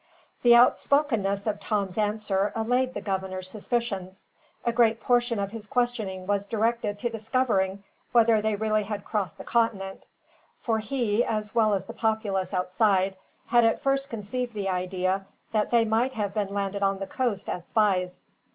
The outspokenness of Tom's answer allayed the governor's suspicions. A great portion of his questioning was directed to discovering whether they really had crossed the continent; for he, as well as the populace outside, had at first conceived the idea that they might have been landed on the coast as spies.